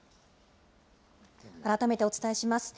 改めてお伝えします。